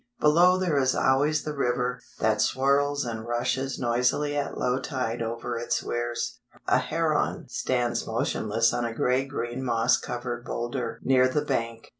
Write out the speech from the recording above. Below there is always the river, that swirls and rushes noisily at low tide over its weirs. A heron stands motionless on a grey green moss covered boulder near the bank.